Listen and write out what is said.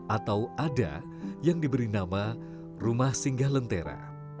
atau ada yang diberi nama rumah singgah lentera